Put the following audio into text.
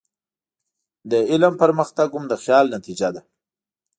د علم پرمختګ هم د خیال نتیجه ده.